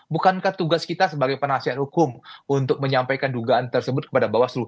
bukankah tugas kita sebagai penasihat hukum untuk menyampaikan dugaan tersebut kepada bawaslu